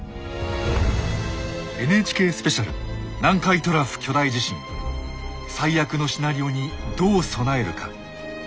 「ＮＨＫスペシャル南海トラフ巨大地震“最悪のシナリオ”にどう備えるか」。